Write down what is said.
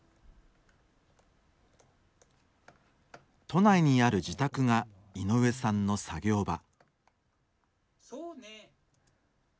都内にある自宅が井上さんの作業場。